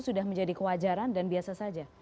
sudah menjadi kewajaran dan biasa saja